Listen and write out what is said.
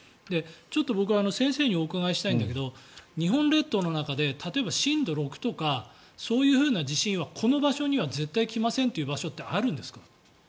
ちょっと僕は先生にお伺いしたいんだけど日本列島の中で例えば、震度６とかそういう地震はこの場所には絶対来ませんっていう場所ってあるんですか？